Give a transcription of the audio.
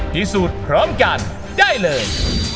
พิสูจน์พร้อมกันได้เลย